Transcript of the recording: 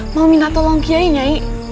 mau minta tolong kiai nyai